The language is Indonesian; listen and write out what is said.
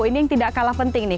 ini yang tidak kalah penting nih